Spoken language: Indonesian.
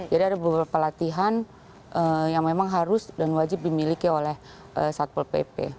jadi ada beberapa latihan yang memang harus dan wajib dimiliki oleh satpo pp